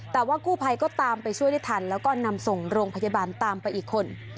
แต่ว่ากู้ภัยก็ตามไปช่วยได้ทันแล้วก็นำส่งโรงพยาบาลตามไปอีกคน